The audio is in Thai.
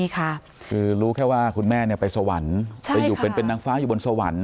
คือรู้แค่ว่าคุณแม่ไปสวรรค์ไปอยู่เป็นนางฟ้าอยู่บนสวรรค์